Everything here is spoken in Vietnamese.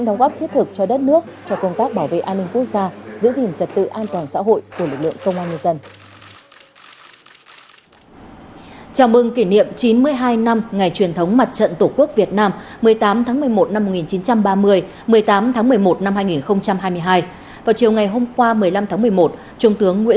rồi vào tìm được chìa khóa lấy chìa khóa mở tủ lấy